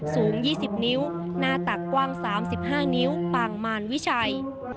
สูง๒๐นิ้วหน้าตักกว้าง๓๕นิ้วปางมารวิชัย